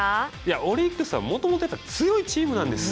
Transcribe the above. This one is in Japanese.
オリックスはもともとで強いチームなんです。